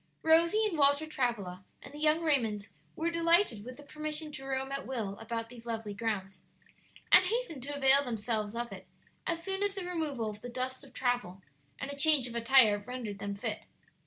Rosie and Walter Travilla, and the young Raymonds were delighted with the permission to roam at will about these lovely grounds, and hastened to avail themselves of it as soon as the removal of the dust of travel and a change of attire rendered them fit.